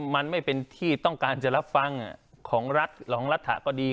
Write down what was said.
มันไม่เป็นที่ต้องการจะรับฟังของรัฐสองรัฐก็ดี